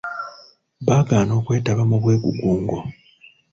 Baagana okwetaba mu bwegugungo.